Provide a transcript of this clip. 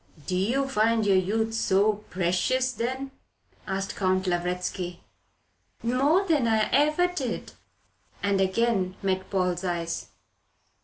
"Do you find your youth so precious, then?" asked Count Lavretsky. "More than I ever did!" She laughed and again met Paul's eyes.